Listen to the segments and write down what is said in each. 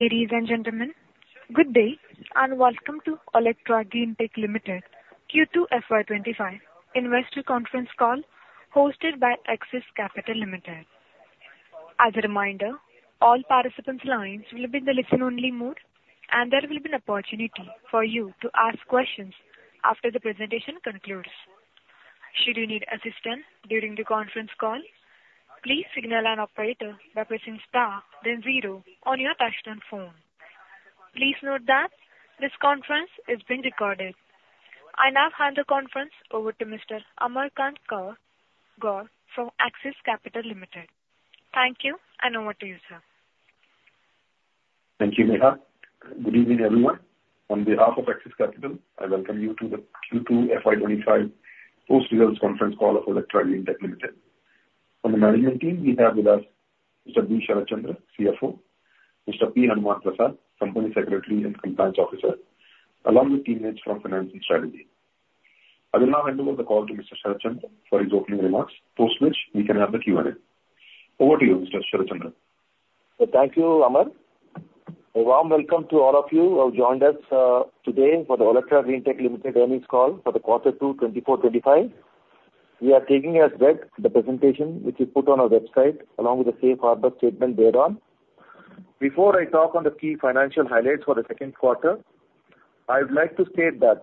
Ladies and gentlemen, good day, and welcome to Olectra Greentech Limited Q2 FY 2025 investor conference call, hosted by Axis Capital Limited. As a reminder, all participants' lines will be in the listen-only mode, and there will be an opportunity for you to ask questions after the presentation concludes. Should you need assistance during the conference call, please signal an operator by pressing star then zero on your touchtone phone. Please note that this conference is being recorded. I now hand the conference over to Mr. Amar Kant Gaur from Axis Capital Limited. Thank you, and over to you, sir. Thank you, Neha. Good evening, everyone. On behalf of Axis Capital, I welcome you to the Q2 FY25 post-results conference call of Olectra Greentech Limited. From the management team, we have with us Mr. B. Sharat Chandra, CFO, Mr. P. Hanuman Prasad, Company Secretary and Compliance Officer, along with teammates from Finance and Strategy. I will now hand over the call to Mr. Sharat Chandra for his opening remarks, post which we can have the Q&A. Over to you, Mr. Sharat Chandra. Thank you, Amar. A warm welcome to all of you who have joined us today for the Olectra Greentech Limited earnings call for the quarter two, 2024, 2025. We are taking as read the presentation, which we put on our website, along with the safe harbor statement thereon. Before I talk on the key financial highlights for the second quarter, I would like to state that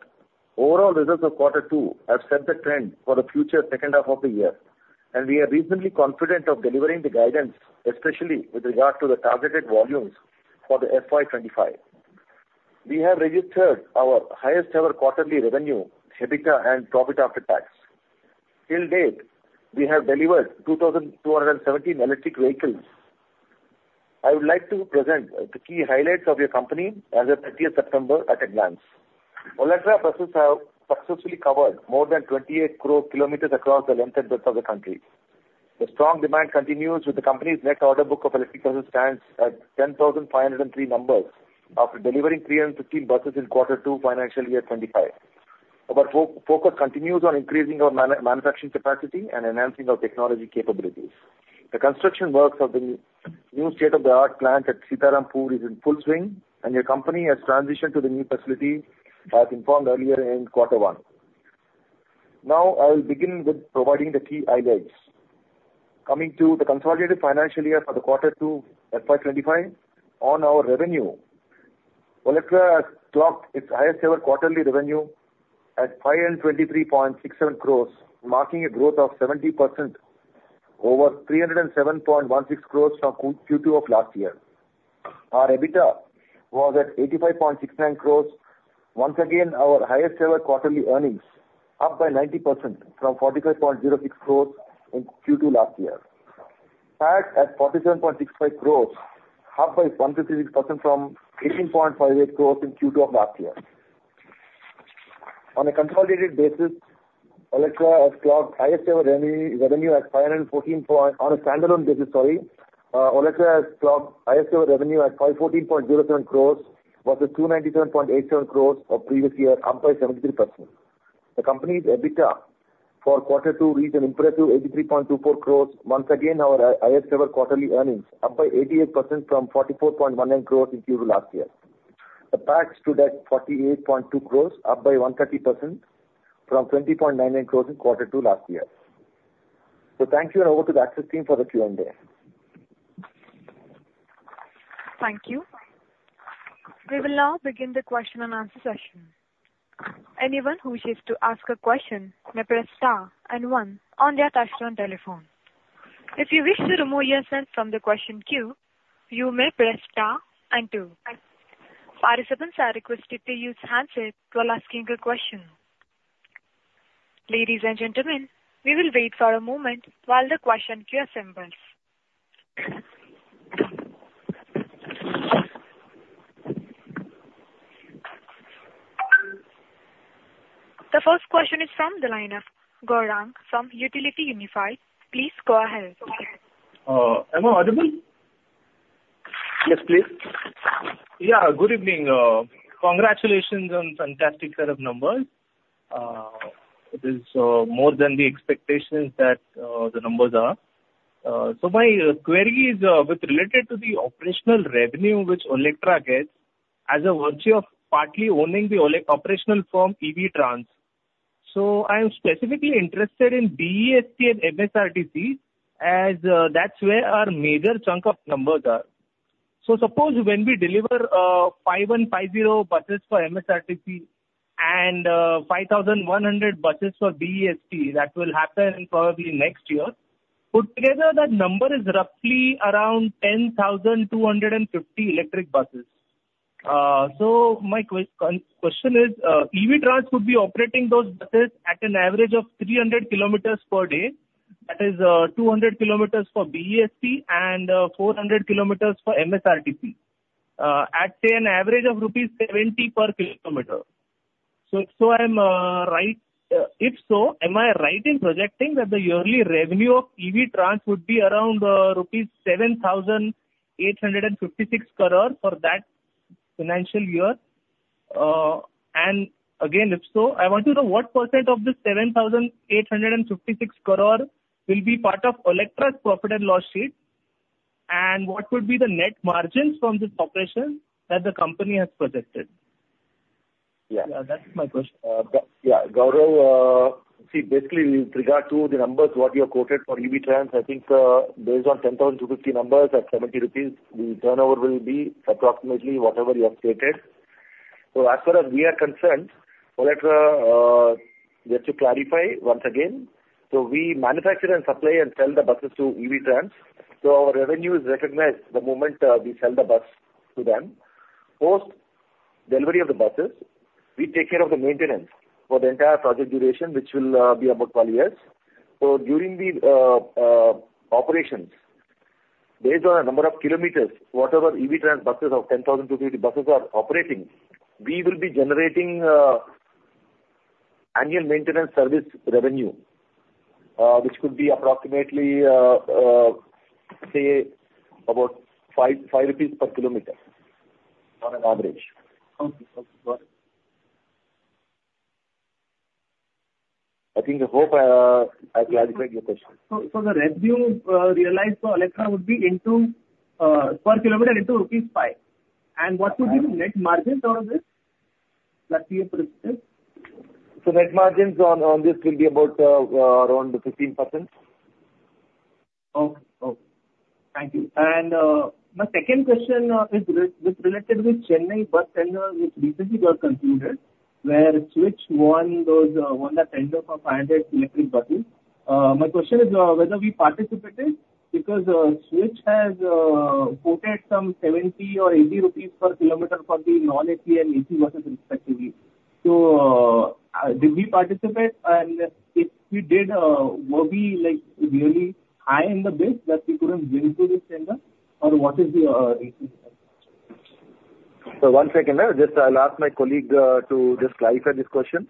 overall results of quarter two have set the trend for the future second half of the year, and we are reasonably confident of delivering the guidance, especially with regard to the targeted volumes for the FY 2025. We have registered our highest ever quarterly revenue, EBITDA, and profit after tax. Till date, we have delivered 2,217 electric vehicles. I would like to present the key highlights of your company as of thirtieth September at a glance. Olectra buses have successfully covered more than 28 crore kilometers across the length and breadth of the country. The strong demand continues with the company's net order book of electric buses stands at 10,503 numbers after delivering 315 buses in quarter two, financial year twenty-five. Our focus continues on increasing our manufacturing capacity and enhancing our technology capabilities. The construction works of the new state-of-the-art plant at Seetharampur is in full swing, and your company has transitioned to the new facility, as informed earlier in quarter one. Now, I will begin with providing the key highlights. Coming to the consolidated financial year for Q2 FY25, on our revenue, Olectra has clocked its highest ever quarterly revenue at 523.67 crores, marking a growth of 70% over 307.16 crores from Q2 of last year. Our EBITDA was at 85.69 crores. Once again, our highest ever quarterly earnings, up by 90% from 45.06 crores in Q2 last year. PAT at 47.65 crores, up by 136% from 18.58 crores in Q2 of last year. On a consolidated basis, Olectra has clocked highest ever revenue, revenue at 514 point... On a standalone basis, sorry, Olectra has clocked highest ever revenue at 514.07 crores, versus 297.87 crores of previous year, up by 73%. The company's EBITDA for quarter two reached an impressive 83.24 crores, once again, our highest ever quarterly earnings, up by 88% from 44.19 crores in Q2 last year. The PAT stood at 48.2 crores, up by 130% from 20.99 crores in quarter two last year. So thank you, and over to the Axis team for the Q&A. Thank you. We will now begin the question-and-answer session. Anyone who wishes to ask a question may press star and one on their touchtone telephone. If you wish to remove yourself from the question queue, you may press star and two. Participants are requested to use handset while asking a question. Ladies and gentlemen, we will wait for a moment while the question queue assembles. The first question is from the line of Gaurang from Utility Unify. Please go ahead. Am I audible? Yes, please. Yeah, good evening. Congratulations on fantastic set of numbers. It is more than the expectations that the numbers are. So, my query is with related to the operational revenue which Olectra gets as a virtue of partly owning the Evey operational firm, Evey Trans. So, I am specifically interested in BEST and MSRTC, as that's where our major chunk of numbers is. So, suppose when we deliver five one five zero buses for MSRTC and five thousand one hundred buses for BEST, that will happen probably next year. Put together, that number is roughly around ten thousand two hundred and fifty electric buses. My question is, Evey Trans would be operating those buses at an average of 300 kilometers per day, that is, 200 kilometers for BEST and, 400 kilometers for MSRTC, at, say, an average of rupees 70 per kilometer. So, am I right in projecting that the yearly revenue of Evey Trans would be around, rupees 7,856 crores for that financial year? And again, if so, I want to know what % of these 7,856 crores will be part of Olectra's profit and loss sheet, and what would be the net margins from this operation that the company has projected? Yeah. Yeah, that's my question. Yeah, Gaurang, see, basically with regard to the numbers what you have quoted for EvTrans, I think, based on 10,250 numbers at 70 rupees, the turnover will be approximately whatever you have stated. So as far as we are concerned, so let, just to clarify once again, so we manufacture and supply and sell the buses to EvTrans. So, our revenue is recognized the moment we sell the bus to them. Post delivery of the buses, we take care of the maintenance for the entire project duration, which will be about 12 years. So, during the operations, based on the number of kilometers, whatever Evey Trans buses of 10,250 buses are operating, we will be generating annual maintenance service revenue, which could be approximately, say, about 5.5 rupees per kilometer on an average. Okay. Okay, got it. I think, I hope, I clarified your question. The revenue realized for Olectra would be into per kilometer into rupees 5. Right. And what would be the net margins out of this, that you projected? So net margins on this will be about around 15%. Okay. Okay, thank you. And my second question is related with Chennai bus tender, which recently got concluded, where Switch won those won the tender for 500 electric buses. My question is whether we participated, because Switch has quoted some 70 or 80 rupees per kilometer for the non-AC and AC buses respectively. So, did we participate? And if we did, were we like really high in the bid that we couldn't win this tender, or what is the reason? So, one second, just I'll ask my colleague to just clarify this question.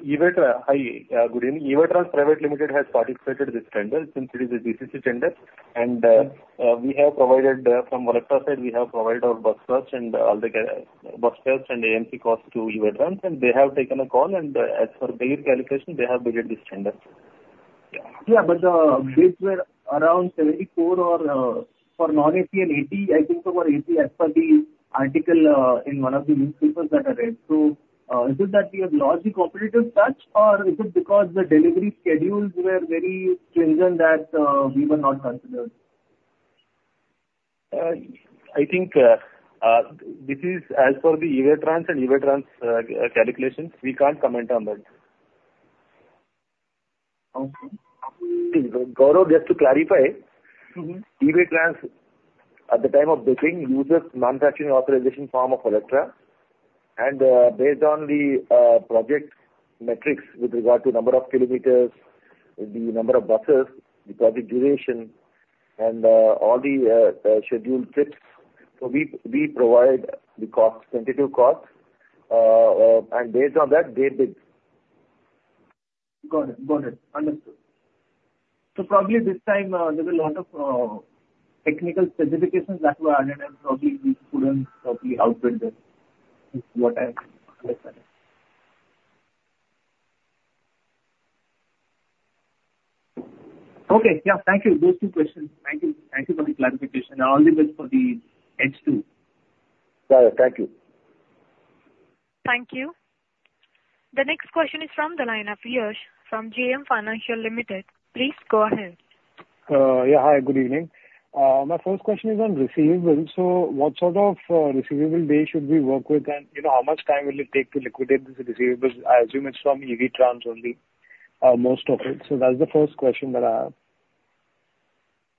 Good evening. Evey Trans Private Limited has participated this tender since it is a GCC tender, and we have provided from Olectra side our bus quotes and AMC costs to Evey Trans, and they have taken a call, and as for their calculation, they have bid this tender. Yeah, but the bids were around seventy-four or, for non-AC and AC, I think over AC, as per the article, in one of the newspapers that I read. So, is it that we have lost the competitive touch, or is it because the delivery schedules were very stringent that we were not considered? I think this is as per the Evey Trans calculations. We can't comment on that. Okay. Gaurang, just to clarify- Mm-hmm. Trans, at the time of bidding, uses manufacturing authorization form of Olectra, and based on the project metrics with regard to number of kilometers, the number of buses, the project duration, and all the scheduled trips, so we provide the cost, tentative cost, and based on that, they bid. Got it. Got it. Understood. So probably this time, there's a lot of technical specifications that were added, and probably we couldn't probably outbid them, is what I'm understanding. Okay, yeah, thank you. Those two questions. Thank you. Thank you for the clarification. All the best for the ahead, too. Got it. Thank you. Thank you. The next question is from the line of Yash from JM Financial Limited. Please go ahead. Yeah, hi, good evening. My first question is on receivables. So, what sort of receivable days should we work with? And, you know, how much time will it take to liquidate these receivables? I assume it's from Evey Trans only, most of it. So that's the first question that I have.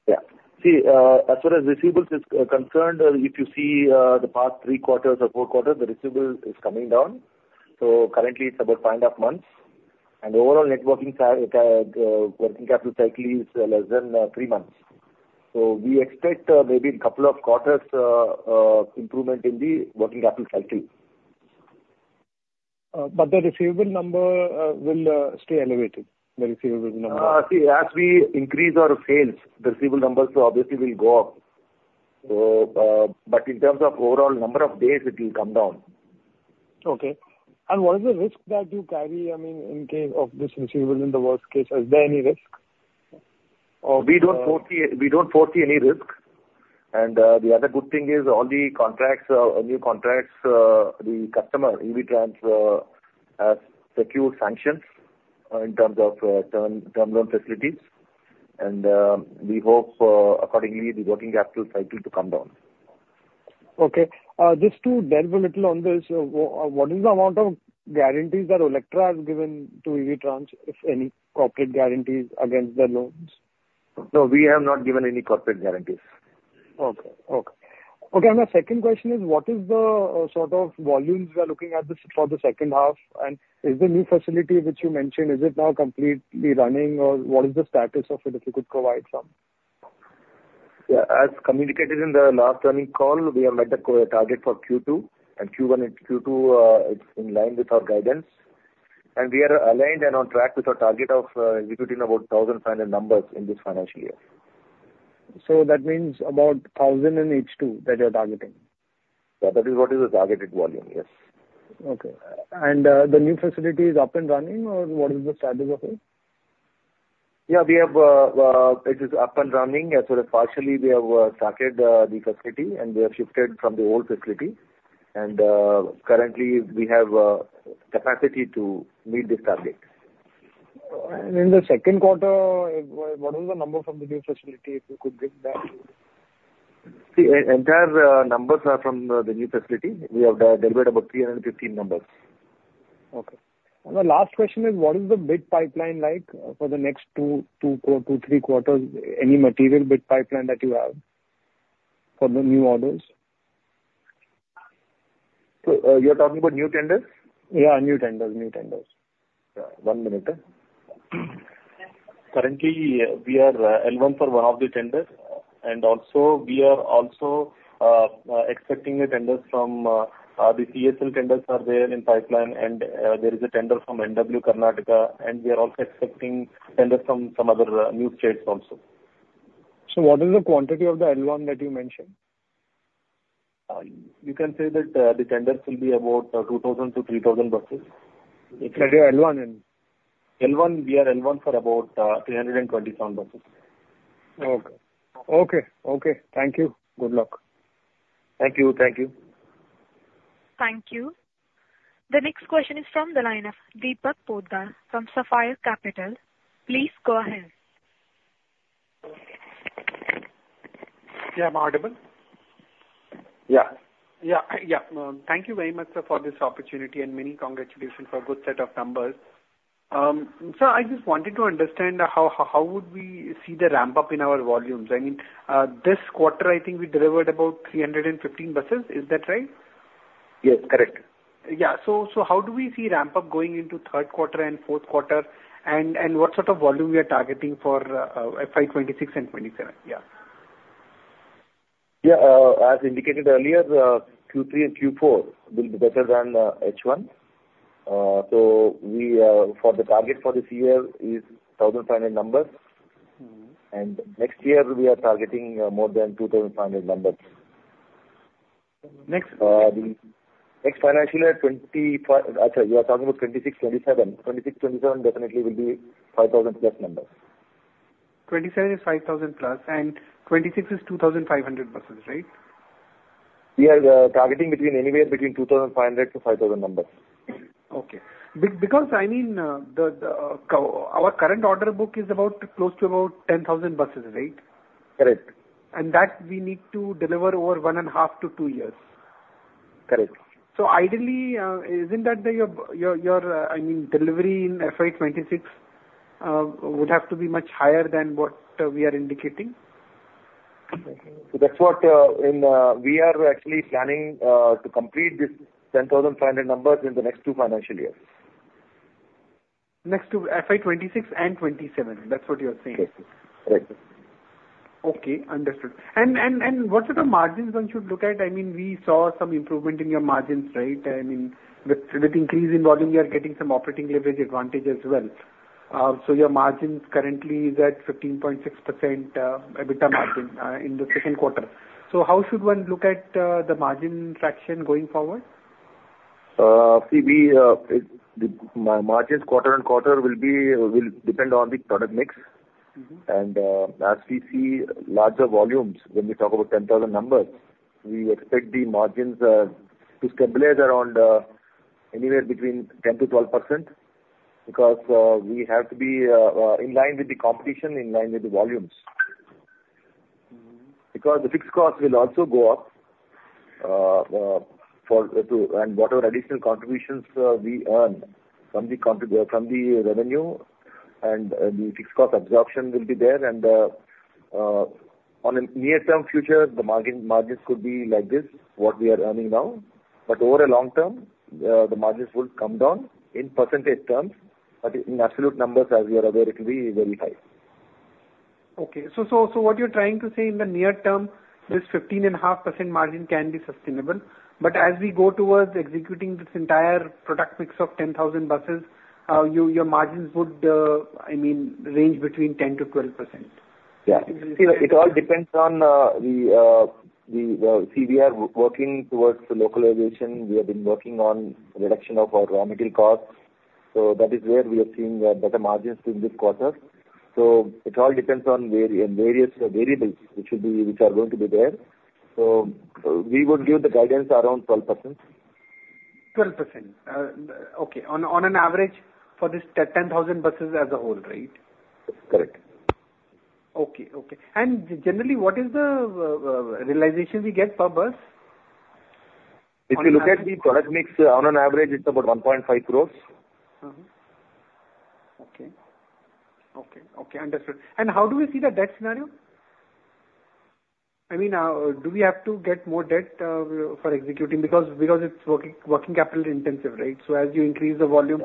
Yeah. See, as far as receivables is concerned, if you see the past three quarters or four quarters, the receivable is coming down. So currently it's about five and a half months, and the overall working capital cycle is less than three months. So, we expect maybe in couple of quarters improvement in the working capital cycle. But the receivable number will stay elevated, the receivable number? See, as we increase our sales, the receivable numbers obviously will go up. So, but in terms of overall number of days, it will come down. Okay. And what is the risk that you carry, I mean, in case of this receivable in the worst case? Is there any risk? Or We don't foresee any risk. And the other good thing is all the contracts, all new contracts, the customer, Evey Trans, has secured sanctions in terms of term loan facilities. And we hope accordingly the working capital cycle to come down. Okay. Just to delve a little on this, what is the number of guarantees that Olectra has given to Evey Trans, if any, corporate guarantees against the loans? No, we have not given any corporate guarantees. Okay, and my second question is, what is the sort of volumes we are looking at this for the second half? And is the new facility which you mentioned, is it now completely running, or what is the status of it, if you could provide some? Yeah, as communicated in the last earnings call, we have met the Q2 target for Q2, and Q1 and Q2, it's in line with our guidance, and we are aligned and on track with our target of executing about 1,500 numbers in this financial year. So that means about 1,000 in each Q2 that you're targeting? Yeah, that is what is the targeted volume. Yes. Okay. And the new facility is up and running, or what is the status of it? Yeah, we have it is up and running, as sort of partially we have started the facility and we have shifted from the old facility. And currently we have capacity to meet this target. In the second quarter, what is the number from the new facility, if you could give that? See, entire numbers are from the new facility. We have delivered about three hundred and fifteen numbers. Okay. And the last question is: What is the bid pipeline like for the next two to three quarters? Any material bid pipeline that you have for the new orders? So, you're talking about new tenders? Yeah, new tenders. New tenders. Yeah. One minute. Currently, we are L1 for one of the tenders, and also, we are also expecting the tenders from the CESL tenders are there in pipeline, and there is a tender from NW Karnataka, and we are also expecting tenders from some other new states also. So what is the quantity of the L1 that you mentioned? You can say that the tenders will be about 2,000 to 3,000 buses. Which are your L1 in? L1, we are L1 for about 327 buses. Okay. Thank you. Good luck. Thank you. Thank you. Thank you. The next question is from the line of Deepak Poddar from Sapphire Capital. Please go ahead. Yeah. Am I audible? Yeah. Yeah. Yeah. Thank you very much, sir, for this opportunity, and many congratulations for good set of numbers. So I just wanted to understand how would we see the ramp-up in our volumes? I mean, this quarter, I think we delivered about 315 buses. Is that right? Yes, correct. Yeah. So, how do we see ramp-up going into third quarter and fourth quarter, and what sort of volume we are targeting for FY 2026 and 2027? Yeah. Yeah, as indicated earlier, Q3 and Q4 will be better than H1. So, our target for this year is 1,500 numbers. And next year, we are targeting more than 2,500 numbers. Next- The next financial year, 25... I'm sorry, you are talking about 26, 27. 26, 27 definitely will be 5,000 plus numbers. 27 is 5,000+, and 26 is 2,500 buses, right? We are targeting anywhere between 2,500 to 5,000 numbers. Okay. Because, I mean, our current order book is about close to about 10,000 buses, right? Correct. That we need to deliver over one and a half to two years. Correct. So ideally, isn't that your, I mean, delivery in FY 2026 would have to be much higher than what we are indicating? That's what we are actually planning to complete this 10,500 numbers in the next two financial years. Next two, FY 2026 and 2027, that's what you are saying? Yes. Correct. Okay, understood. And what are the margins one should look at? I mean, we saw some improvement in your margins, right? I mean, with increase in volume, you are getting some operating leverage advantage as well. So your margins currently is at 15.6%, EBITDA margin, in the second quarter. So how should one look at the margin traction going forward? See, my margins quarter and quarter will depend on the product mix. As we see larger volumes, when we talk about 10,000 numbers, we expect the margins to stabilize around anywhere between 10%-12%, because we have to be in line with the competition, in line with the volumes. Because the fixed cost will also go up, and whatever additional contributions we earn from the revenue and the fixed cost absorption will be there. On a near-term future, the margins could be like this, what we are earning now, but over a long term, the margins would come down in percentage terms, but in absolute numbers, as you're aware, it will be very high. Okay. So what you're trying to say, in the near term, this 15.5% margin can be sustainable, but as we go towards executing this entire product mix of 10,000 buses, your margins would, I mean, range between 10% to 12%? Yeah. It all depends on. We see we are working towards the localization. We have been working on reduction of our raw material costs, so that is where we are seeing better margins in this quarter. So, it all depends on various variables, which are going to be there. So we would give the guidance around 12%. 12%? Okay, on an average for this 10,000 buses as a whole, right? Correct. Okay. Okay. And generally, what is the realization we get per bus? If you look at the product mix, on an average, it's about 1.5 crores. Mm-hmm. Okay. Okay, okay, understood. And how do we see the debt scenario? I mean, do we have to get more debt for executing? Because it's working capital intensive, right? So as you increase the volume,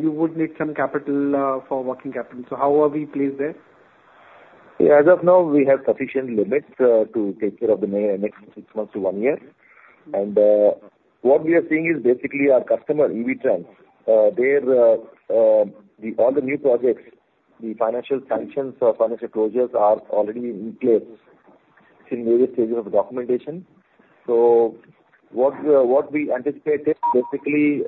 you would need some capital for working capital. So how are we placed there?... Yeah, as of now, we have sufficient limits to take care of the next six months to one year. And, what we are seeing is basically our customer, EVTrans, their all the new projects, the financial sanctions or financial closures are already in place in various stages of documentation. So, what we anticipated, basically,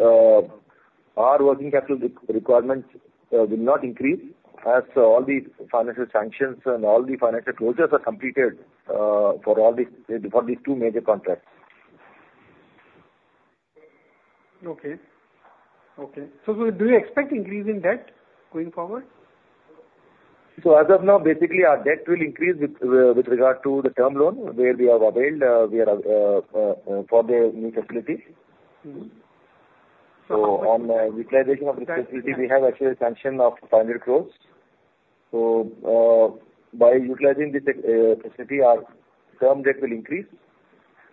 our working capital requirements will not increase as all the financial sanctions and all the financial closures are completed for these two major contracts. Okay. So, do you expect increase in debt going forward? So as of now, basically, our debt will increase with regard to the term loan, where we have availed, we are for the new facility. On the utilization of this facility, we have actually a sanction of 500 crores. By utilizing this facility, our term debt will increase,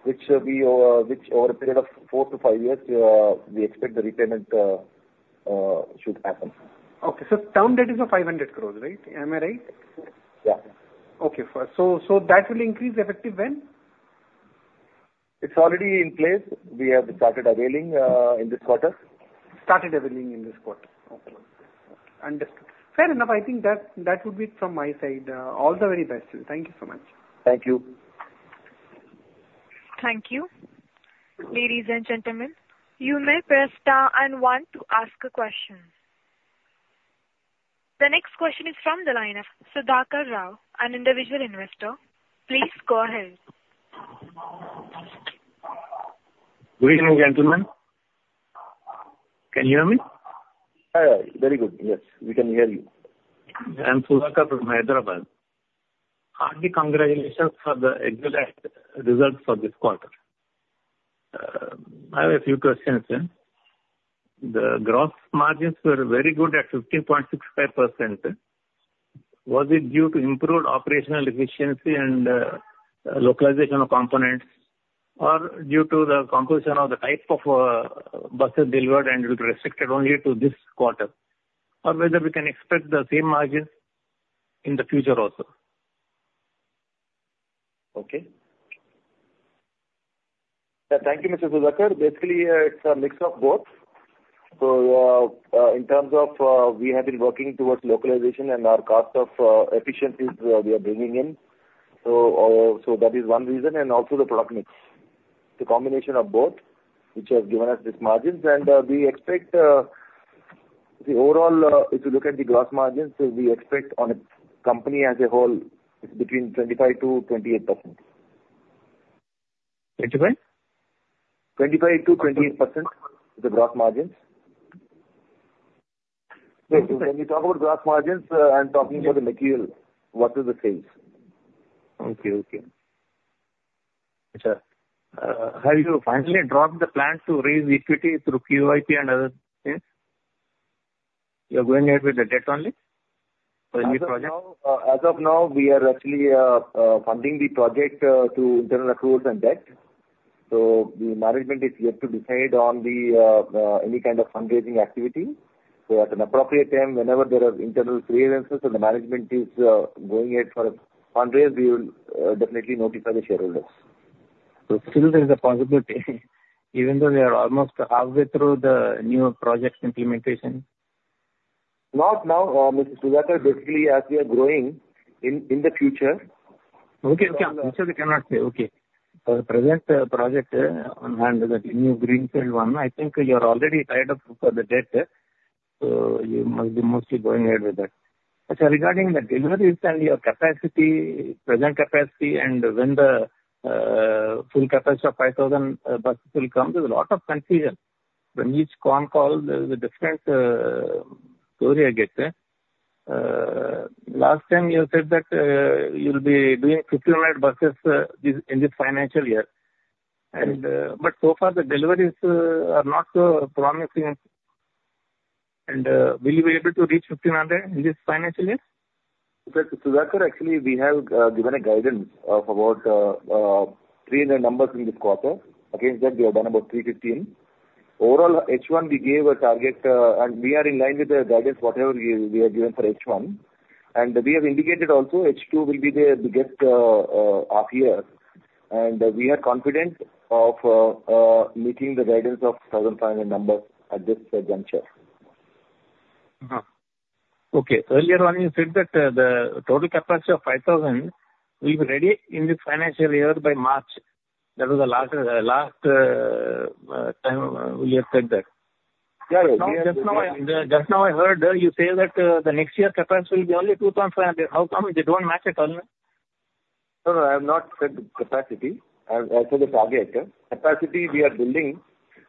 which over a period of four to five years, we expect the repayment should happen. Okay, so term debt is 500 crore, right? Am I right? Yeah. Okay, fine. So, that will increase effective when? It's already in place. We have started availing in this quarter. Started availing in this quarter. Okay. Understood. Fair enough. I think that, that would be it from my side. All the very best to you. Thank you so much. Thank you. Thank you. Ladies and gentlemen, you may press star and one to ask a question. The next question is from the line of Sudhakar Rao, an individual investor. Please go ahead. Good evening, gentlemen. Can you hear me? Hi. Very good. Yes, we can hear you. I'm Sudhakar from Hyderabad. Hearty congratulations for the excellent results for this quarter. I have a few questions. The gross margins were very good at 15.65%. Was it due to improved operational efficiency and localization of components, or due to the composition of the type of buses delivered and restricted only to this quarter? Or whether we can expect the same margins in the future also? Okay. Thank you, Mr. Sudhakar. Basically, it's a mix of both. So, in terms of, we have been working towards localization and our cost efficiencies we are bringing in. So, that is one reason, and also the product mix. It's a combination of both, which has given us this margins, and we expect the overall, if you look at the gross margins, so we expect on a company as a whole between 25% to 28%. 25? 25% to 28%, the gross margins. When you talk about gross margins, I'm talking about the material, what is the sales? Okay, okay. So, have you finally dropped the plan to raise equity through QIP and other things? You are going ahead with the debt only for new projects? As of now, as of now, we are actually funding the project through internal accruals and debt. So the management is yet to decide on any kind of fundraising activity. So at an appropriate time, whenever there are internal clearances and the management is going ahead for a fundraise, we will definitely notify the shareholders. So still there is a possibility, even though we are almost halfway through the new project implementation? Not now, Mr. Sudhakar. Basically, as we are growing, in the future- Okay. We cannot say okay for the present project and the new greenfield one. I think you are already tied up for the debt, so you must be mostly going ahead with that. So regarding the deliveries and your capacity, present capacity, and when the full capacity of 5,000 buses will come, there's a lot of confusion. In each con call, there's a different story I get. Last time you said that you'll be doing 1,500 buses this in this financial year. And but so far the deliveries are not so promising. And will you be able to reach 1,500 in this financial year? Mr. Sudhakar, actually, we have given a guidance of about three hundred numbers in this quarter. Against that, we have done about three fifteen. Overall, H1, we gave a target, and we are in line with the guidance, whatever we have given for H1. We have indicated also H2 will be the biggest half year, and we are confident of meeting the guidance of thousand five hundred numbers at this juncture. Okay. Earlier on, you said that the total capacity of five thousand will be ready in this financial year by March. That was the last time you said that. Yeah, yeah. Just now, just now I heard, you say that, the next year capacity will be only two thousand five hundred. How come? They don't match at all? No, no, I have not said the capacity. I've said the target. Capacity we are building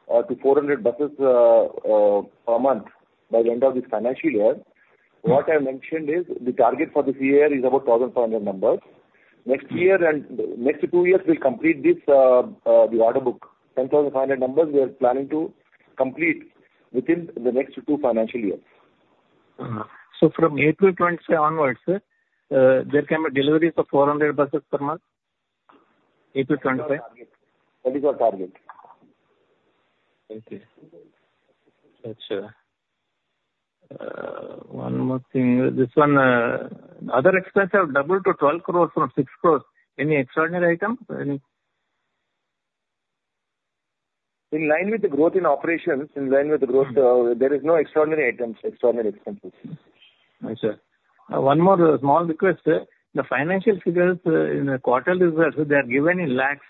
to 400 buses per month by the end of this financial year. What I mentioned is the target for this year is about 1,500 numbers. Next year and the next two years, we'll complete this, the order book. 10,500 numbers, we are planning to complete within the next two financial years. So, from April 2020 onwards, there can be deliveries of 400 buses per month, April 2025? That is our target. Okay. That's one more thing, this one, other expenses have doubled to 12 crores from 6 crores. Any extraordinary item or any? In line with the growth in operations, there is no extraordinary items, extraordinary expenses. Right, sir. One more small request, the financial figures, in the quarter results, they are given in lakhs.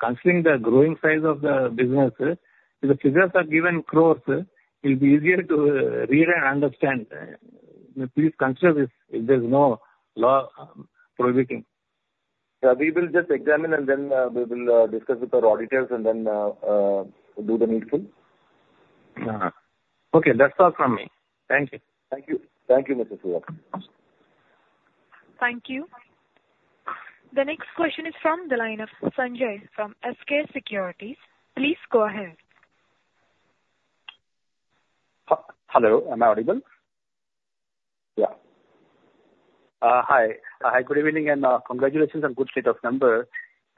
Considering the growing size of the business, if the figures are given crores, it will be easier to read and understand. Please consider this if there's no law prohibiting. Yeah, we will just examine, and then we will discuss with our auditors and then do the needful. Uh-huh. Okay, that's all from me. Thank you. Thank you. Thank you, Mr. Siva. Thank you. The next question is from the line of Sanjay, from SK Securities. Please go ahead. Hello, am I audible? Yeah. Hi, good evening, and congratulations on good set of numbers.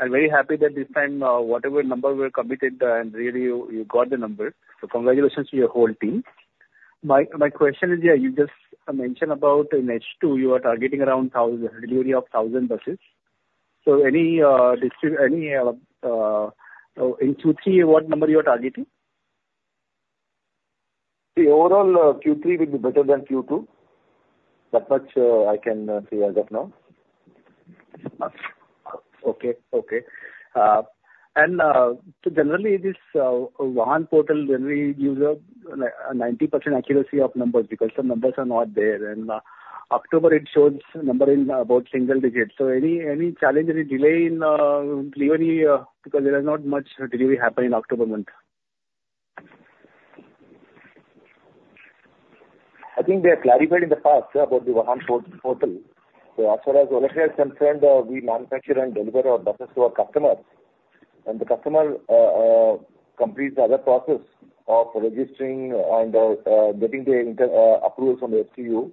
I'm very happy that this time, whatever number we're committed, and really you got the number, so congratulations to your whole team. My question is, yeah, you just mentioned about in H2, you are targeting around 1,000 deliveries of 1,000 buses, so any in Q3, what number you are targeting? The overall, Q3 will be better than Q2. That much, I can say as of now. Okay. So generally this one portal generally gives a 90% accuracy of numbers, because the numbers are not there, and October it shows number in about single digits. So any challenge, any delay in delivery? Because there is not much delivery happen in October month. I think we have clarified in the past about the Vahan portal. So as far as Olectra is concerned, we manufacture and deliver our buses to our customers, and the customer completes the other process of registering and getting the approval from the RTO.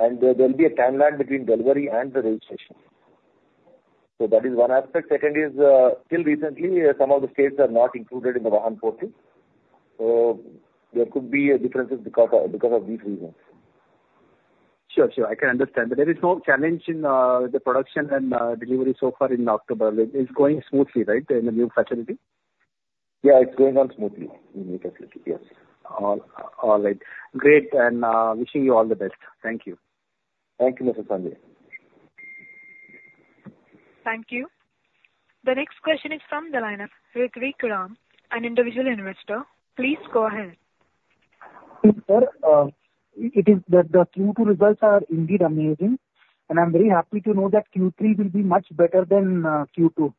And there will be a timeline between delivery and the registration. So that is one aspect. Second is, till recently, some of the states are not included in the Vahan portal, so there could be differences because of these reasons. Sure, sure. I can understand. But there is no challenge in the production and delivery so far in October. It is going smoothly, right, in the new facility? Yeah, it's going on smoothly in the new facility. Yes. All, all right. Great, and, wishing you all the best. Thank you. Thank you, Mr. Sanjay. Thank you. The next question is from the line of Ritwik Ram, an individual investor. Please go ahead. Sir, it is that the Q2 results are indeed amazing, and I'm very happy to know that Q3 will be much better than Q2.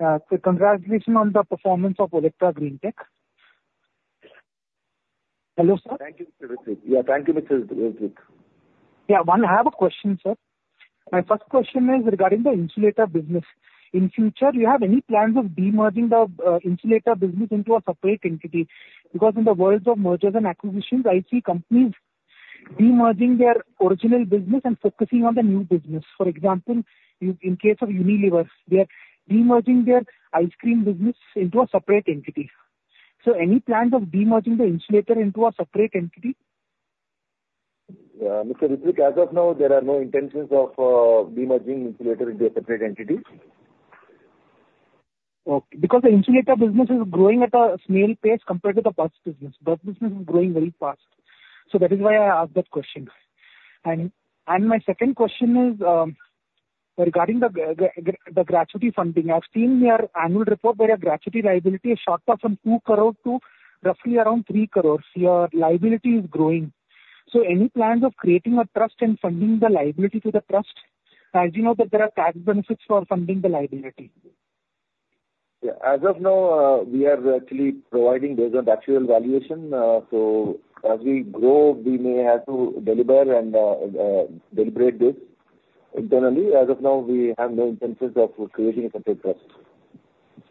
So, congratulations on the performance of Olectra Greentech. Hello, sir? Thank you, Mr. Ritwik. Yeah, thank you, Mr. Ritwik. Yeah. One, I have a question, sir. My first question is regarding the insulator business. In future, do you have any plans of demerging the insulator business into a separate entity? Because in the world of mergers and acquisitions, I see companies demerging their original business and focusing on the new business. For example, in case of Unilever, they are demerging their ice cream business into a separate entity. So, any plans of demerging the insulator into a separate entity? Mr. Ritwik, as of now, there are no intentions of demerging insulator into a separate entity. Okay. Because the insulator business is growing at a snail pace compared to the bus business. Bus business is growing very fast. So that is why I asked that question. And my second question is, regarding the gratuity funding. I've seen your annual report, where your gratuity liability has shot up from two crore to roughly around three crores. Your liability is growing. So, any plans of creating a trust and funding the liability to the trust? As you know that there are tax benefits for funding the liability. Yeah. As of now, we are actually providing based on the actual valuation, so as we grow, we may have to deliver and deliberate this internally. As of now, we have no intentions of creating a separate trust.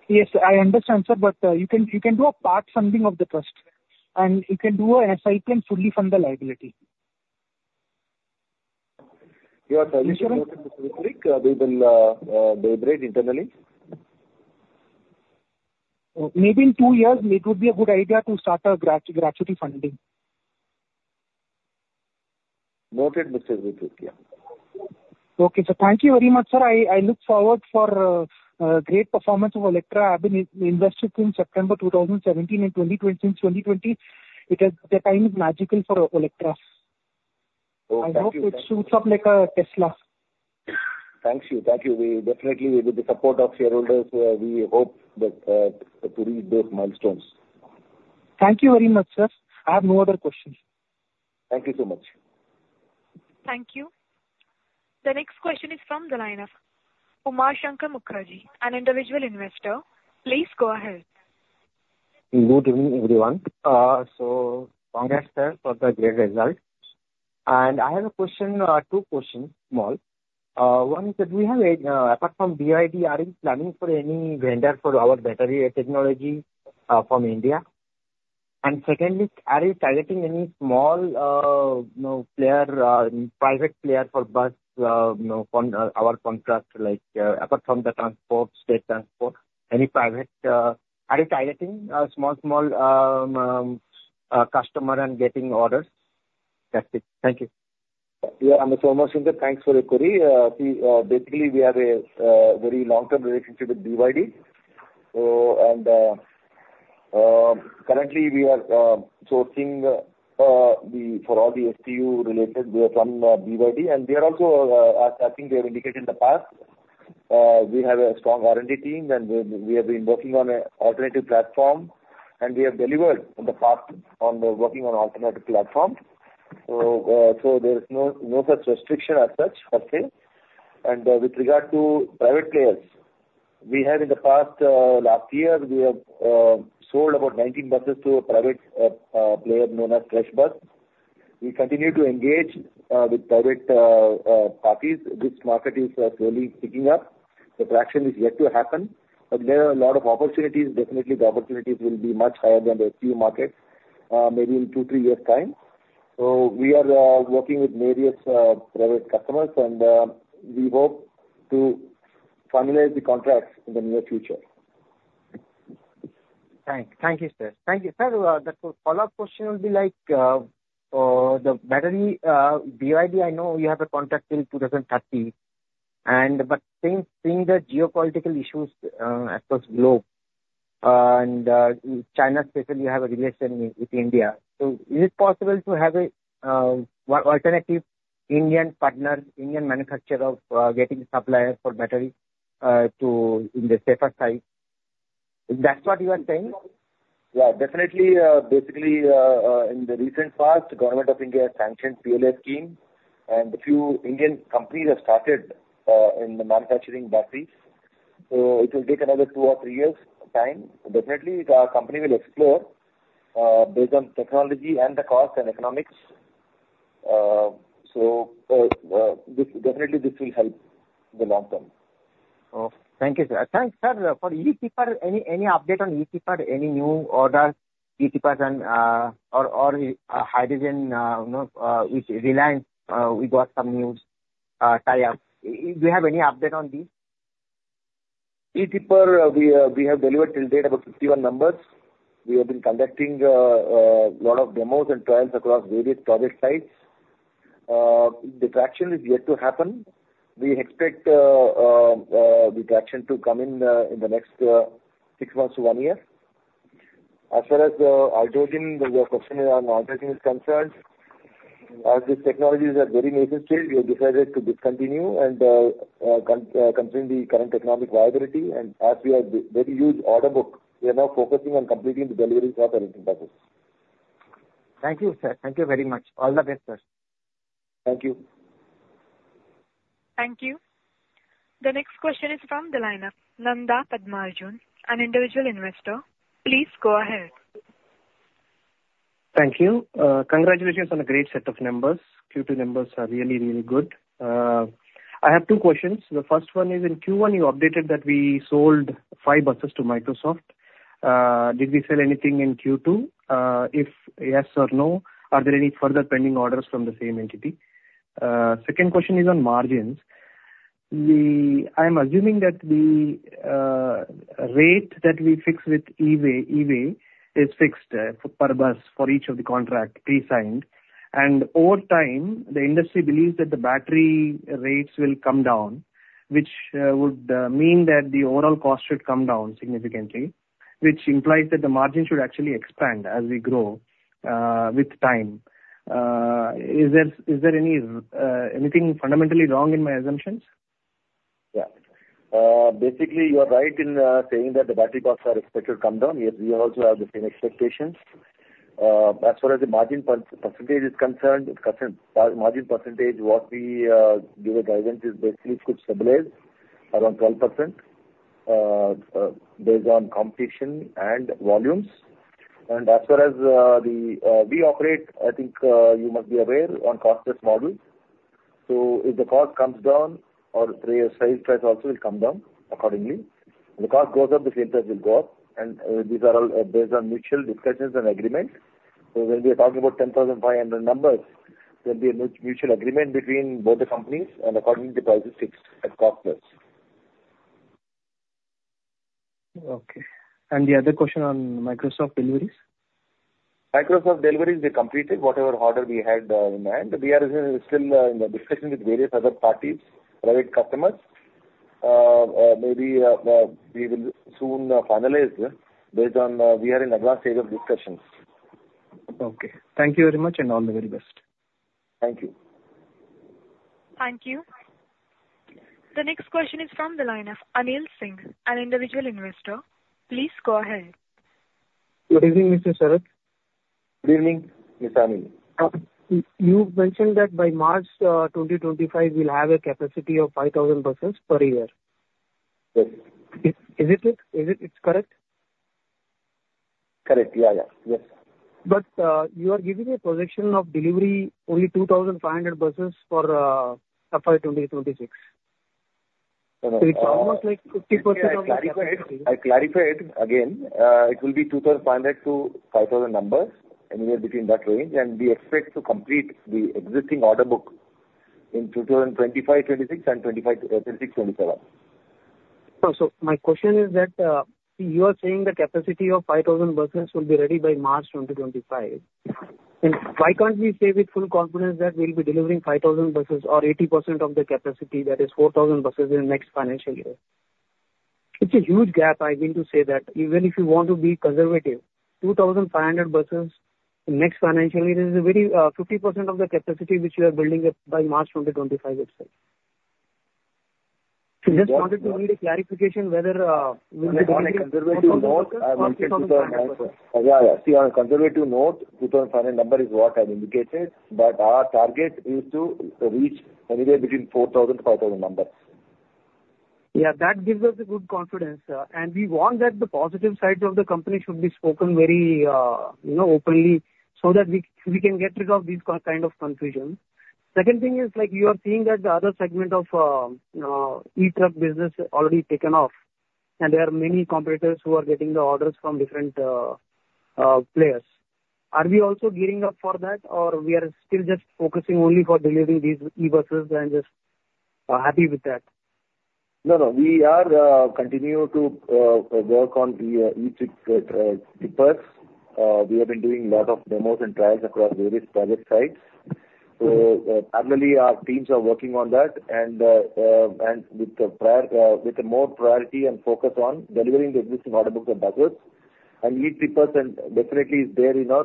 Yes, I understand, sir, but you can do a part funding of the trust, and you can fully fund the liability. Yeah, thank you, Mr. Ritwik. We will deliberate internally. Maybe in 2 years, it would be a good idea to start a gratuity funding. Noted, Mr. Ritwik. Yeah. Okay, sir. Thank you very much, sir. I look forward for a great performance of Olectra. I've been invested since September 2017. In 2020, it has the time is magical for Olectra. Oh, thank you. I hope it shoots up like a Tesla. Thank you. Thank you. We definitely, with the support of shareholders, we hope that to reach those milestones. Thank you very much, sir. I have no other questions. Thank you so much. Thank you. The next question is from the line of Umar Shankar Mukerji, an individual investor. Please go ahead. Good evening, everyone. So congrats, sir, for the great results. And I have a question, two questions, small. One is, do we have a, apart from BYD, are you planning for any vendor for our battery technology, from India? ...And secondly, are you targeting any small, you know, player, private player for bus, you know, contract, like, apart from the transport, state transport, any private, are you targeting, small customer and getting orders? That's it. Thank you. Yeah, and so Mohinder, thanks for the query. We basically have a very long-term relationship with BYD. So, and currently, we are sourcing the for all the STU related, we are from BYD, and they are also, as I think they have indicated in the past, we have a strong R&D team, and we have been working on an alternative platform, and we have delivered in the past on the working on alternative platform. So, so there is no, no such restriction as such, per se. And with regard to private players, we have in the past, last year, we have sold about 19 buses to a private player known as Freshbus. We continue to engage with private parties. This market is slowly picking up. The traction is yet to happen, but there are a lot of opportunities. Definitely, the opportunities will be much higher than the STU markets, maybe in two, three years' time. So we are working with various private customers, and we hope to finalize the contracts in the near future. Thank you, sir. Thank you. Sir, the follow-up question would be like, the battery, BYD. I know you have a contract till 2030, and but seeing the geopolitical issues across the globe, and China especially have a relation with India. So is it possible to have a alternative Indian partner, Indian manufacturer of getting suppliers for battery to be on the safer side? Is that what you are saying? Yeah, definitely, basically, in the recent past, the Government of India has sanctioned PLI scheme, and a few Indian companies have started in the manufacturing batteries. So it will take another two or three years' time. Definitely, the company will explore based on technology and the cost and economics. So, this, definitely this will help in the long term. Oh, thank you, sir. Thanks, sir. For e-Tipper, any update on e-Tipper? Any new orders, e-Tipper and or hydrogen, you know, which Reliance, we got some news, tie-up. Do you have any update on this? e-Tipper, we have delivered till date about 51 numbers. We have been conducting lot of demos and trials across various project sites. The traction is yet to happen. We expect the traction to come in the next six months to one year. As far as hydrogen, the question on hydrogen is concerned, these technologies are very necessary. We have decided to discontinue and continue the current economic viability. As we have very huge order book, we are now focusing on completing the deliveries of existing buses. Thank you, sir. Thank you very much. All the best, sir. Thank you. Thank you. The next question is from the line of Nanda Padma Arjun, an individual investor. Please go ahead. Thank you. Congratulations on a great set of numbers. Q2 numbers are really, really good. I have two questions. The first one is, in Q1 you updated that we sold five buses to Microsoft. Did we sell anything in Q2? If yes or no, are there any further pending orders from the same entity? Second question is on margins. I'm assuming that the rate that we fix with Evey, Evey is fixed, per bus for each of the contract pre-signed, and over time, the industry believes that the battery rates will come down, which would mean that the overall cost should come down significantly, which implies that the margin should actually expand as we grow with time. Is there anything fundamentally wrong in my assumptions? Yeah. Basically, you are right in saying that the battery costs are expected to come down. We also have the same expectations. As far as the margin percentage is concerned, what we give a guidance is basically it could stabilize around 12%, based on competition and volumes. And as far as the way we operate, I think you must be aware, on cost-plus model. So if the cost comes down the sales price also will come down accordingly. If the cost goes up, the sales price will go up, and these are all based on mutual discussions and agreement. So when we are talking about ten thousand five hundred numbers, there will be a mutual agreement between both the companies, and accordingly the price is fixed at cost-plus. Okay, and the other question on Microsoft deliveries? Microsoft deliveries, they completed whatever order we had in hand. We are still in the discussions with various other parties, private customers. Maybe we will soon finalize this based on, we are in advanced stage of discussions. Okay. Thank you very much, and all the very best. Thank you. Thank you. The next question is from the line of Anil Singh, an individual investor. Please go ahead. Good evening, Mr. Sharat. Good evening, Mr. Anil. You mentioned that by March, twenty twenty-five, we'll have a capacity of 5,000 buses per year. Yes. Is it correct? Correct. Yeah, yeah. Yes. You are giving a projection of delivery only 2,500 buses for 2026. ... So it's almost like 50% of the- I clarified, I clarified again, it will be 2,500 to 5,000 numbers, anywhere between that range, and we expect to complete the existing order book in 2025, 2026, and 2025 to 2026, 2027. So, my question is that you are saying the capacity of 5,000 buses will be ready by March 2025. Then why can't we say with full confidence that we'll be delivering 5,000 buses or 80% of the capacity, that is 4,000 buses, in the next financial year? It's a huge gap; I mean to say that. Even if you want to be conservative, 2,500 buses next financial year is a very 50% of the capacity which you are building up by March 2025 itself. So just wanted only clarification whether, Yeah, yeah. See, on a conservative note, 2,500 number is what I've indicated, but our target is to reach anywhere between 4,000-5,000 numbers. Yeah, that gives us a good confidence, and we want that the positive side of the company should be spoken very, you know, openly, so that we can get rid of these kind of confusion. Second thing is, like, you are seeing that the other segment of e-truck business already taken off, and there are many competitors who are getting the orders from different players. Are we also gearing up for that, or we are still just focusing only for delivering these e-buses and just happy with that? No, no, we continue to work on the E-bus. We have been doing a lot of demos and trials across various project sites. So, currently our teams are working on that, and with priority and focus on delivering the existing order books and buses, and e-Tippers, and definitely is there in our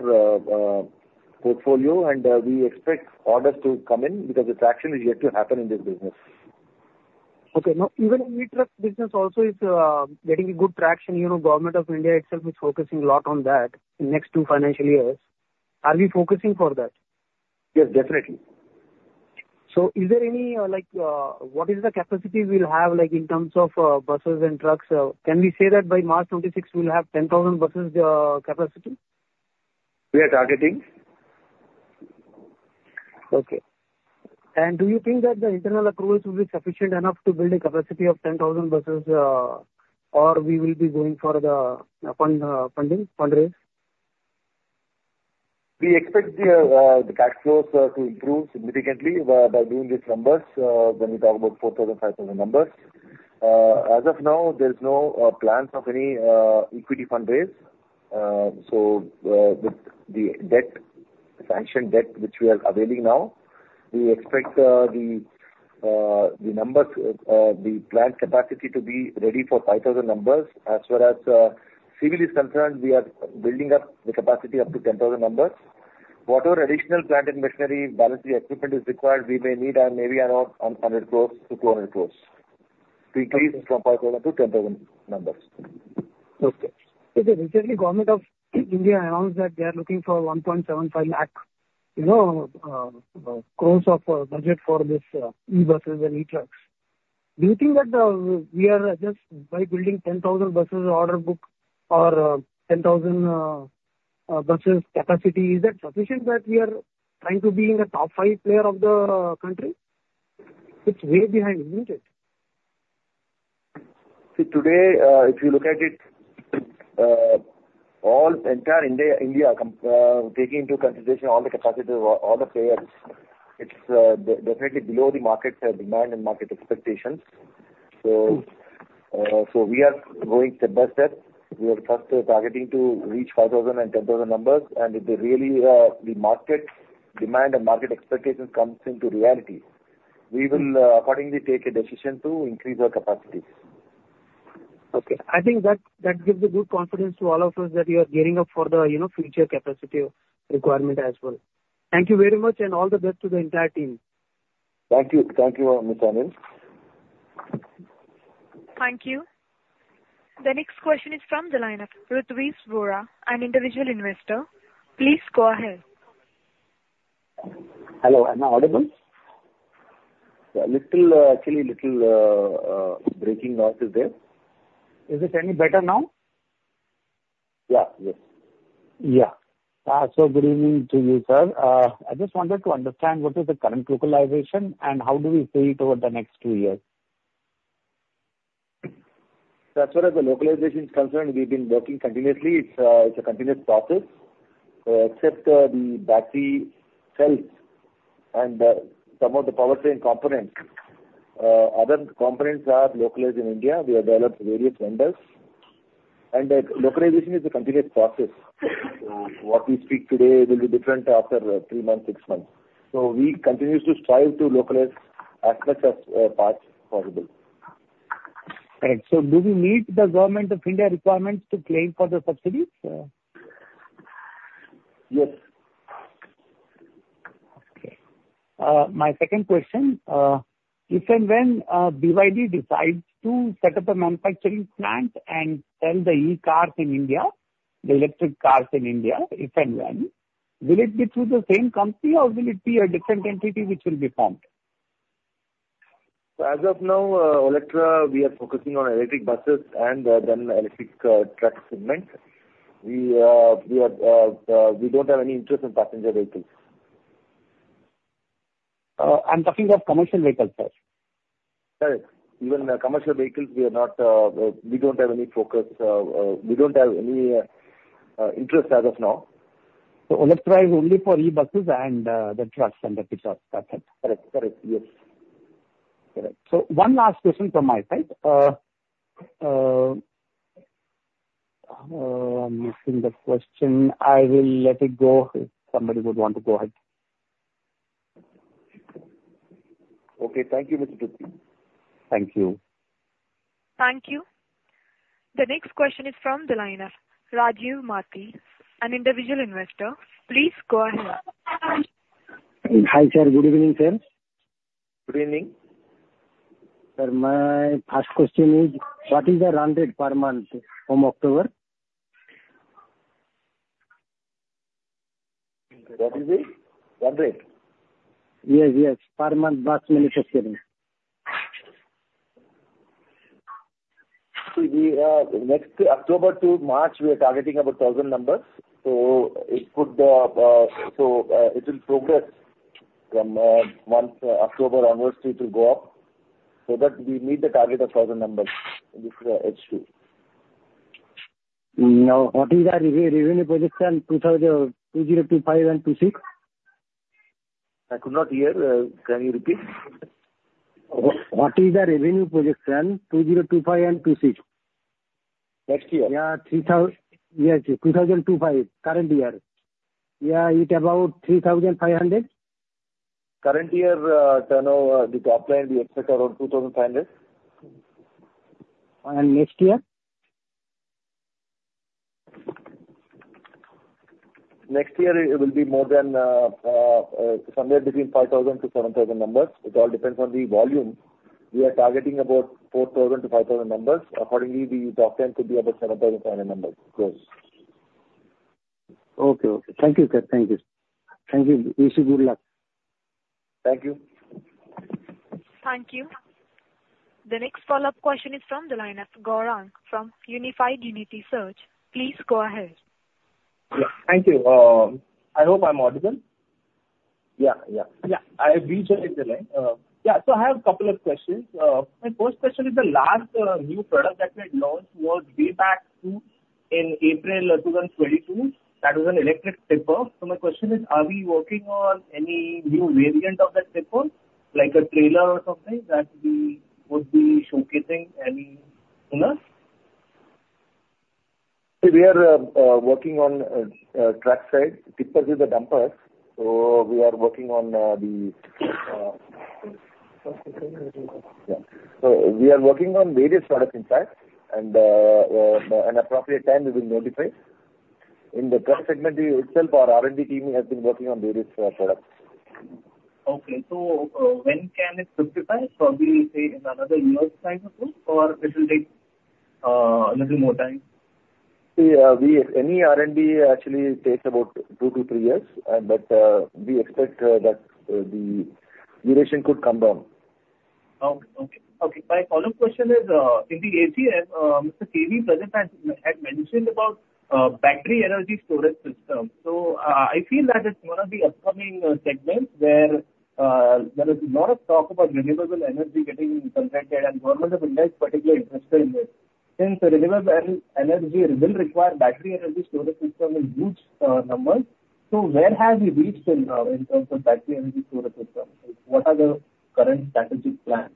portfolio, and we expect orders to come in because the traction is yet to happen in this business. Okay. Now, even in e-Truck business also is getting a good traction. You know, Government of India itself is focusing a lot on that in next two financial years. Are we focusing for that? Yes, definitely. So, is there any, like, what is the capacity we'll have, like, in terms of buses and trucks? Can we say that by March twenty-six we'll have ten thousand buses capacity? We are targeting. Okay, and do you think that the internal accruals will be sufficient enough to build a capacity of 10,000 buses, or we will be going for the funding or fundraise? We expect the cash flows to improve significantly by doing these numbers when we talk about 4,000, 5,000 numbers. As of now, there's no plans of any equity fundraise. So, with the debt, the sanctioned debt, which we are availing now, we expect the numbers, the plant capacity to be ready for 5,000 numbers. As far as civil is concerned, we are building up the capacity up to 10,000 numbers. Whatever additional plant and machinery, battery equipment is required, we may need maybe around 100 crores to 200 crores to increase from 5,000 to 10,000 numbers. Okay. So, the recent government of India announced that they are looking for 1.75 lakh crores of budget for this, you know, e-buses and e-trucks. Do you think that we are just by building 10,000 buses order book or 10,000 buses capacity, is that sufficient that we are trying to be in the top five player of the country? It's way behind, isn't it? See, today, if you look at it, all entire India, taking into consideration all the capacities of all the players, it's definitely below the market demand and market expectations. So, so we are going step by step. We are first targeting to reach five thousand and ten thousand numbers, and if the really the market demand and market expectation comes into reality, we will accordingly take a decision to increase our capacities. Okay. I think that that gives a good confidence to all of us that you are gearing up for the, you know, future capacity requirement as well. Thank you very much, and all the best to the entire team. Thank you. Thank you, Mr. Anil. Thank you. The next question is from the line of Ritviz Vora, an individual investor. Please go ahead. Hello, am I audible? Yeah, actually, little breaking out is there. Is it any better now? Yeah, yes. Yeah, so good evening to you, sir. I just wanted to understand what is the current localization and how do we see it over the next two years? So as far as the localization is concerned, we've been working continuously. It's a continuous process. Except the battery cells and some of the powertrain components, other components are localized in India. We have developed various vendors. And localization is a continuous process. What we speak today will be different after three months, six months. So, we continue to strive to localize as much as parts possible. Right. So, do we meet the Government of India requirements to claim for the subsidies? Yes. Okay. My second question, if and when, BYD decides to set up a manufacturing plant and sell the e-cars in India, the electric cars in India, if and when, will it be through the same company or will it be a different entity which will be formed? So as of now, Olectra, we are focusing on electric buses and then electric truck segment. We don't have any interest in passenger vehicles. I'm talking of commercial vehicles, sir. Right. Even commercial vehicles, we don't have any focus. We don't have any interest as of now. Olectra is only for e-buses and the trucks and that is all, perfect. Correct. Correct, yes. Correct. So, one last question from my side. I'm missing the question. I will let it go if somebody would want to go ahead. Okay, thank you, Mr. Dhuti. Thank you. Thank you. The next question is from the line of Rajiv Mati, an individual investor. Please go ahead. Hi, sir. Good evening, sir. Good evening. Sir, my first question is, what is the run rate per month from October? What is the run rate? Yes, yes, per month, bus minus October. Next October to March, we are targeting about 1000 numbers. It will progress from October onwards. It will go up so that we meet the target of 1000 numbers. This is H2. Now, what is the revenue projection, 2025 and 2026? I could not hear. Can you repeat? What is the revenue projection, 2025 and 2026? Next year? Yeah, yes, 2025, current year. Yeah, it's about 3,500. Current year, turnover, the top line, we expect around two thousand five hundred. Next year? Next year, it will be more than somewhere between five thousand-seven thousand numbers. It all depends on the volume. We are targeting about four thousand-five thousand numbers. Accordingly, the top line could be about seven thousand five hundred numbers gross. Okay. Okay. Thank you, sir. Thank you. Thank you. Wish you good luck. Thank you. Thank you. The next follow-up question is from the line of Gaurang, from Unified Unity Search. Please go ahead. Yeah, thank you. I hope I'm audible. Yeah, yeah. Yeah, I've rejoined the line. Yeah, so I have a couple of questions. My first question is, the last new product that we had launched was way back in April of two thousand twenty-two. That was an electric tipper. So my question is, are we working on any new variant of that tipper, like a trailer or something, that we would be showcasing any sooner? We are working on truck side. Tippers is a dumper, so we are working on... Yeah. So we are working on various products inside, and appropriate time we will notify. In the truck segment itself, our R&D team has been working on various products. Okay. So, when can it be defined? Probably say in another year's time or so, or it will take, a little more time. Yeah, any R&D actually takes about two to three years. But we expect that the duration could come down. Okay, my follow-up question is, in the AGM, Mr. K. V. Prasad has had mentioned about battery energy storage system. So, I feel that it's one of the upcoming segments where there is a lot of talk about renewable energy getting implemented, and Government of India is particularly interested in this. Since the renewable energy will require battery energy storage system in huge numbers, so where have you reached till now in terms of battery energy storage system? What are the current strategic plans?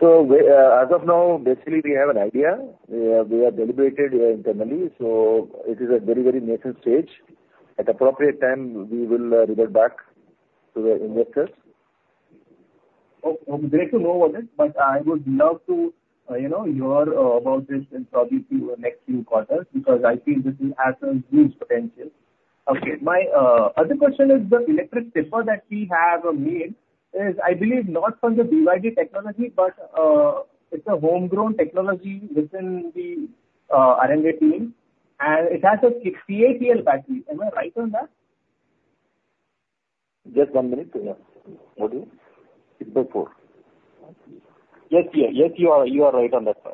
So we, as of now, basically, we have an idea. We have deliberated, internally, so it is a very, very nascent stage. At appropriate time, we will revert back to the investors. Oh, great to know about it, but I would love to, you know, hear about this in probably few next few quarters, because I feel this has a huge potential. Okay. My other question is the electric tipper that we have made is, I believe, not from the BYD technology, but it's a homegrown technology within the R&D team, and it has a CATL battery. Am I right on that? Just one minute. Yeah. What do you? It's the four. Yes, yeah. Yes, you are, you are right on that, sir.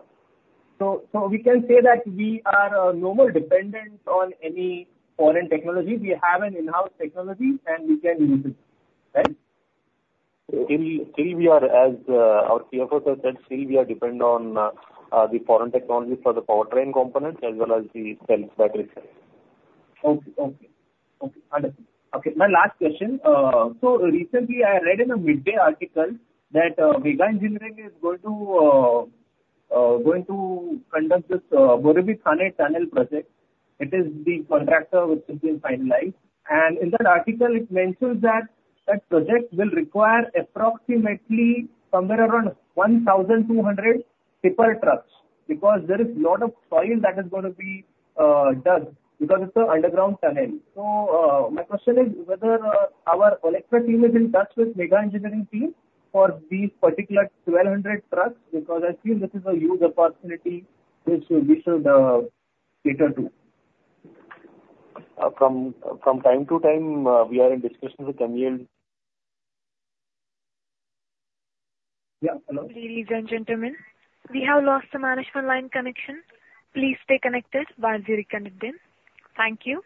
So, we can say that we are no more dependent on any foreign technology. We have an in-house technology, and we can use it, right? Still, we are, as our CFO has said, still we are dependent on the foreign technology for the powertrain components as well as the cells, battery cells. Okay, understood. Okay, my last question. So recently I read in a Mid-Day article that Megha Engineering is going to conduct this Borivali-Thane tunnel project. It is the contractor which has been finalized. And in that article, it mentions that that project will require approximately somewhere around one thousand two hundred tipper trucks, because there is a lot of soil that is going to be dug because it is an underground tunnel. So, my question is whether our Olectra team is in touch with Megha Engineering team for these particular twelve hundred trucks, because I feel this is a huge opportunity which we should cater to. From time to time, we are in discussions with Megha Engineering.... Yeah, hello. Ladies and gentlemen, we have lost the management line connection. Please stay connected while we reconnect them. Thank you.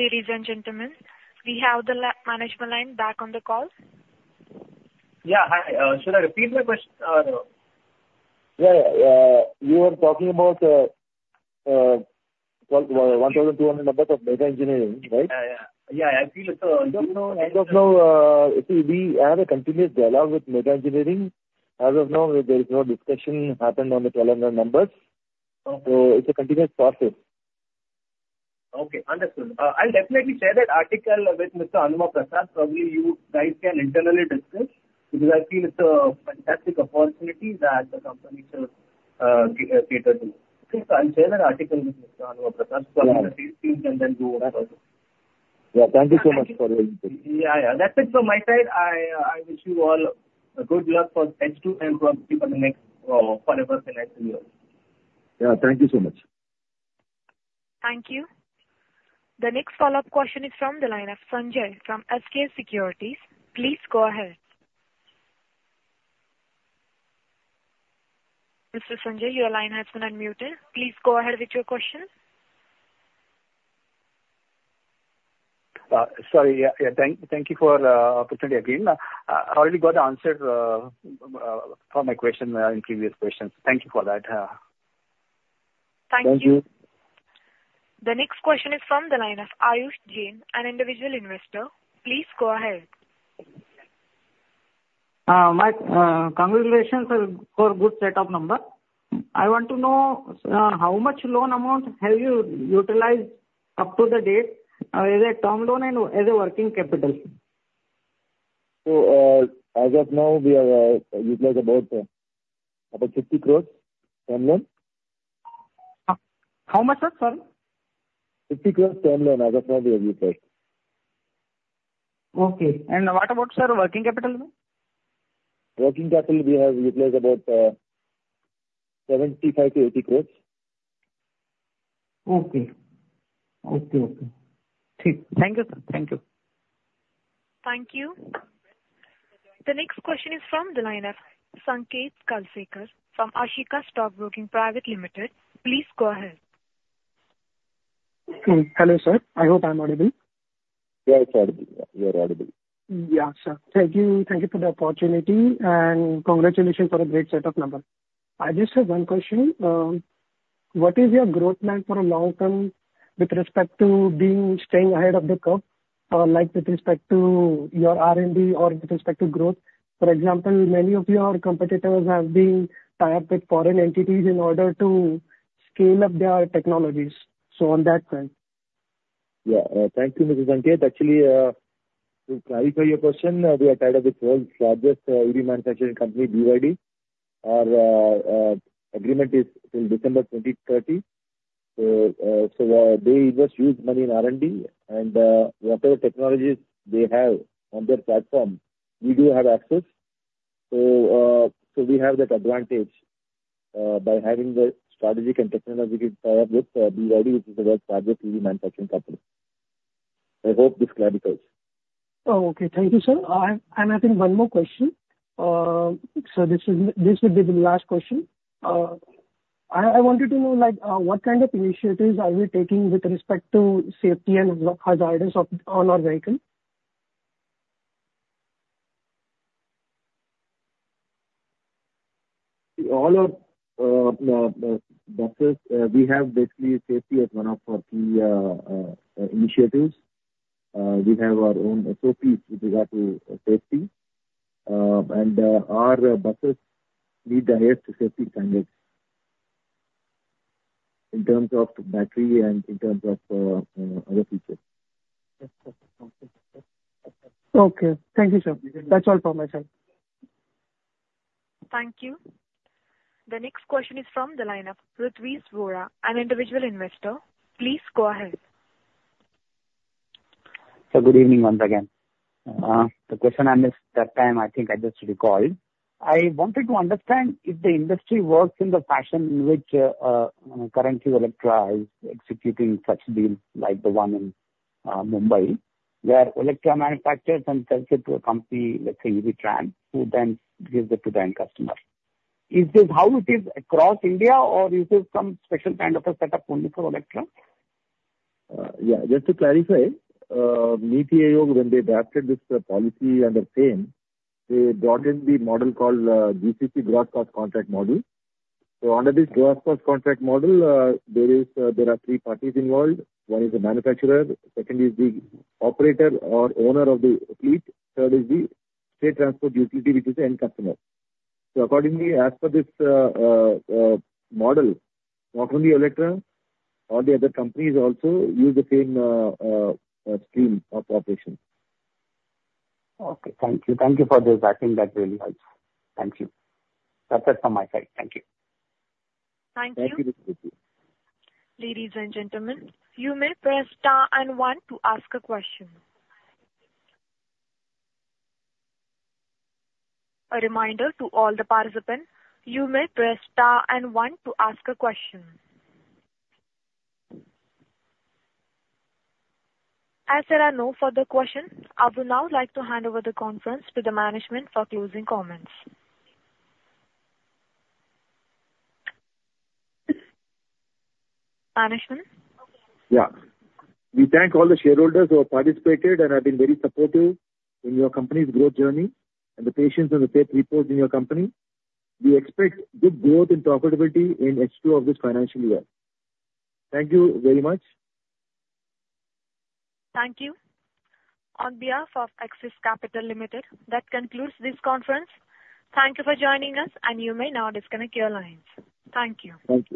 Ladies and gentlemen, we have the management line back on the call. Yeah. Hi, should I repeat my question? Yeah, yeah. You were talking about 1,200 numbers of Megha Engineering, right? Yeah, yeah. Yeah, I feel it's. As of now, we have a continuous dialogue with Megha Engineering. As of now, there is no discussion happened on the 1,200 numbers. So, it's a continuous process. Okay, understood. I'll definitely share that article with Mr. Hanumanth Prasad. Probably you guys can internally discuss, because I feel it's a fantastic opportunity that the company should take advantage of. So, I'll share that article with Mr. Hanumanth Prasad- Yeah. So the team can then go over. Yeah, thank you so much for your input. Yeah, yeah. That's it from my side. I wish you all a good luck for H2 and for even the next, forever the next year. Yeah, thank you so much. Thank you. The next follow-up question is from the line of Sanjay from SK Securities. Please go ahead. Mr. Sanjay, your line has been unmuted. Please go ahead with your question. Sorry, yeah, yeah. Thank you for opportunity again. I already got the answer for my question in previous questions. Thank you for that. Thank you. Thank you. The next question is from the line of Ayush Jain, an individual investor. Please go ahead. My congratulations for good set of number. I want to know how much loan amount have you utilized up to the date as a term loan and as a working capital? As of now, we have utilized about 50 crores term loan. How much, sir? Sorry. 50 crores term loan, as of now, we have utilized. Okay, and what about, sir, working capital? Working capital, we have utilized about 75-80 crores. Okay. Thank you, sir. Thank you. Thank you. The next question is from the line of Sanket Kalsekar from Ashika Stock Broking Private Limited. Please go ahead. Hello, sir. I hope I'm audible. Yeah, it's audible. You are audible. Yeah, sir. Thank you. Thank you for the opportunity, and congratulations for a great set of number. I just have one question: what is your growth plan for the long term with respect to being staying ahead of the curve, like with respect to your R&D or with respect to growth? For example, many of your competitors have been tied up with foreign entities in order to scale up their technologies. So on that front. Yeah. Thank you, Mr. Sanket. Actually, to clarify your question, we are tied up with world's largest EV manufacturing company, BYD. Our agreement is till December 2030. So, they invest huge money in R&D, and whatever technologies they have on their platform, we do have access. So, we have that advantage by having the strategic and technological tie-up with BYD, which is the world's largest EV manufacturing company. I hope this clarifies. Oh, okay. Thank you, sir. I'm adding one more question. So this is, this will be the last question. I wanted to know, like, what kind of initiatives are we taking with respect to safety and hazards of, on our vehicle? All our buses, we have basically safety as one of our key initiatives. We have our own SOPs with regard to safety, and our buses meet the highest safety standards in terms of battery and in terms of other features. Okay. Thank you, sir. That's all from my side. Thank you. The next question is from the line of Ritviz Vora, an individual investor. Please go ahead. Sir, good evening once again. The question I missed that time, I think I just recalled. I wanted to understand if the industry works in the fashion in which currently Olectra is executing such deals like the one in Mumbai, where Olectra manufactures and sells it to a company, let's say, EvTrans, who then gives it to the end customer. Is this how it is across India, or is this some special kind of a setup only for Olectra? Yeah, just to clarify, NITI Aayog, when they drafted this, policy under FAME, they brought in the model called, GCC, Gross Cost Contract model. So, under this Gross Cost Contract model, there is, there are three parties involved. One is the manufacturer, second is the operator or owner of the fleet, third is the state transport utility, which is the end customer. So accordingly, as per this, model, not only Olectra, all the other companies also use the same, scheme of operation. Okay, thank you. Thank you for this. I think that really helps. Thank you. That's it from my side. Thank you. Thank you. Thank you. Ladies and gentlemen, you may press star and one to ask a question. A reminder to all the participants, you may press star and one to ask a question. As there are no further questions, I would now like to hand over the conference to the management for closing comments. Management? Yeah. We thank all the shareholders who have participated and have been very supportive in your company's growth journey, and the patience in the third quarter of your company. We expect good growth and profitability in H2 of this financial year. Thank you very much. Thank you. On behalf of Axis Capital Limited, that concludes this conference. Thank you for joining us, and you may now disconnect your lines. Thank you. Thank you.